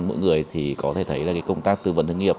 mỗi người thì có thể thấy là công tác tư vấn hướng nghiệp